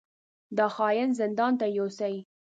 دا خاين زندان ته يوسئ!